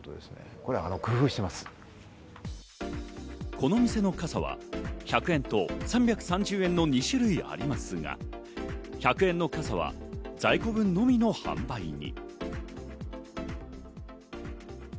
この店の傘は１００円と３３０円の２種類ありますが、１００円の傘は在庫分のみの販売に。